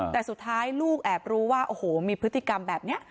แต่สุดท้ายลูกแอบรู้ว่าโอ้โหมีพฤติกรรมแบบนี้